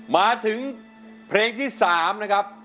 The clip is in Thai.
มาถึงเพลงที่๓นะครับ